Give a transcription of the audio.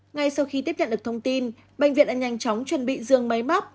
ngay sau khi tiếp nhận được thông tin bệnh viện đã nhanh chóng chuẩn bị dương máy móc